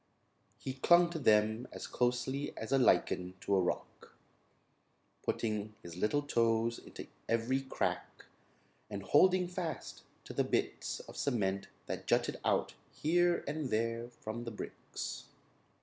He clung to them as closely as a lichen to a rock, putting his little toes into every crack and holding fast to the bits of cement that jutted out here and there from the bricks.